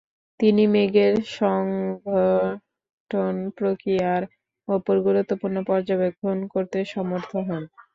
তিনি মেঘের সংগঠন প্রক্রিয়ার উপর গুরুত্বপূর্ণ পর্যবেক্ষণ করতে সমর্থ হন।